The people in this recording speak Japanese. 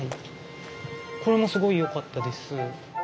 これもすごいよかったです。